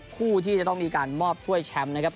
คู่ที่จะต้องมีการมอบถ้วยแชมป์นะครับ